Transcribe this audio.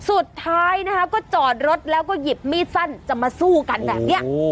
สุดท้ายนะคะก็จอดรถแล้วก็หยิบมีดสั้นจะมาสู้กันแบบนี้